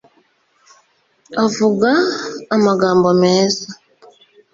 avuga amagambo meza